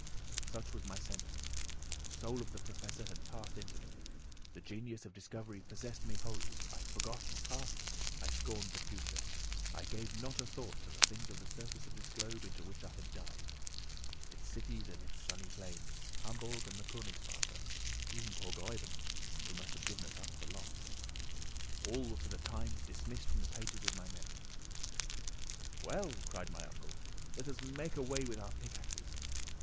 Such was my sentence! The soul of the Professor had passed into me. The genius of discovery possessed me wholly. I forgot the past, I scorned the future. I gave not a thought to the things of the surface of this globe into which I had dived; its cities and its sunny plains, Hamburg and the Königstrasse, even poor Gräuben, who must have given us up for lost, all were for the time dismissed from the pages of my memory. "Well," cried my uncle, "let us make a way with our pickaxes."